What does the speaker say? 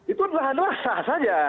itu adalah sah saja